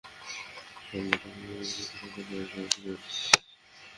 কারণ, বর্তমানে মুসলমানদের সংখ্যা তাদের প্রায় চারগুণ।